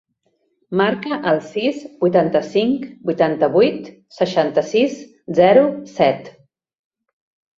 Marca el sis, vuitanta-cinc, vuitanta-vuit, seixanta-sis, zero, set.